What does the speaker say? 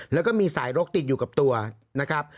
แล้วก็มีสายรกติดอยู่กับตัวนะครับ